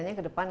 tapi yang jelas